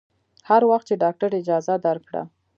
هر وخت چې ډاکتر اجازه درکړه.